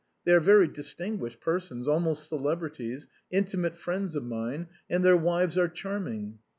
They are very distinguished persons, almost celebrities, intimate friends of mine, and their wives are charming."